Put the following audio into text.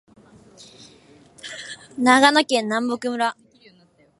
長野県南牧村